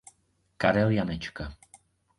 Karel Janečka.